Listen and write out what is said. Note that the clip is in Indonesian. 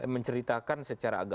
menceritakan secara agama